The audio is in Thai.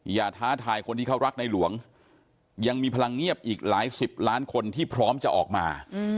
ท้าทายคนที่เขารักในหลวงยังมีพลังเงียบอีกหลายสิบล้านคนที่พร้อมจะออกมา